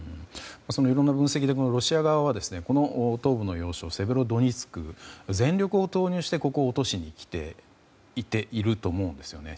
いろんな分析でロシア軍は東部の要衝のセベロドネツク、全力を投入してここを落としに来ていると思うんですよね。